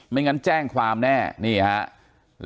งั้นแจ้งความแน่นี่ครับ